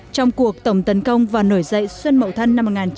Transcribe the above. trong cuộc tổng tấn công và nổi dậy xuân mậu thân một nghìn chín trăm sáu mươi tám